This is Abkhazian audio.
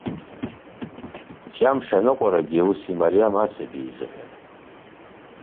Ҷәамш аныҟәарагьы ус имариам асаби изыҳәан.